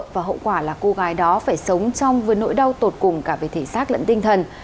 và hậu quả là cô gái đó phải sống trong với nỗi đau tột cùng cả về thể xác lẫn tinh thần